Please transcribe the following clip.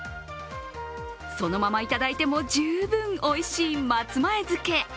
そのままいただいても十分おいしい松前漬け。